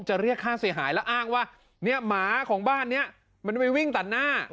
เรียกค่าเสียหายแล้วอ้างว่าเนี่ยหมาของบ้านนี้มันไปวิ่งตัดหน้า